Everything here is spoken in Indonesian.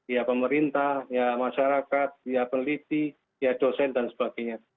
ya pemerintah ya masyarakat ya peneliti ya dosen dan sebagainya